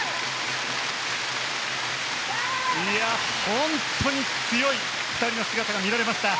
本当に強い２人の姿が見られました。